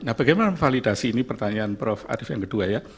nah bagaimana validasi ini pertanyaan prof arief yang kedua ya